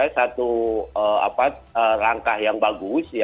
satu rangkah yang bagus